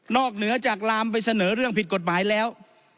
เหนือจากลามไปเสนอเรื่องผิดกฎหมายแล้ว